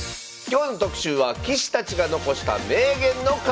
今日の特集は棋士たちが残した名言の数々。